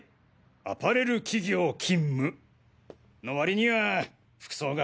アパレル企業勤務の割には服装が